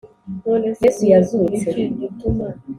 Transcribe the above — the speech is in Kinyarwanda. Yesu yazutse